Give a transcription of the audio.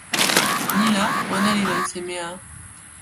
ni la ona li lon seme a?